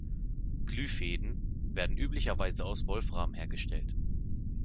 Glühfäden werden üblicherweise aus Wolfram hergestellt.